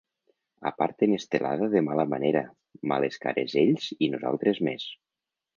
Aparten estelada de mala manera, males cares ells i nosaltres més.